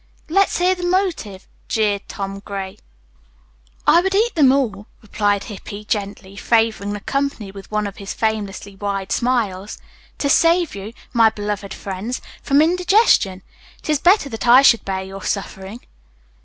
"Let's hear the motive," jeered Tom Gray. "I would eat them all," replied Hippy gently, favoring the company with one of his famously wide smiles, "to save you, my beloved friends, from indigestion. It is better that I should bear your suffering."